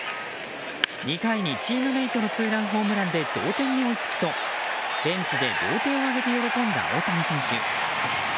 ２回に、チームメートのツーランホームランで同点に追いつくとベンチで両手を上げて喜んだ大谷選手。